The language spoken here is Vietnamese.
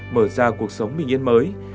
mở ra cuộc sống bình yên mới